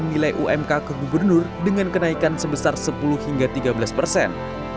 nilai umk ke gubernur dengan kenaikan sebesar sepuluh hingga tiga belas persen